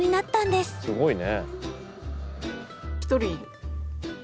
すごいね。